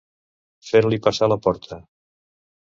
Fer-li passar la porta.